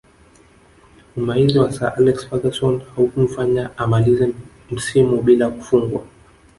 Umahiri wa Sir Alex Ferguson haukumfanya amalize msimu bila kufungwa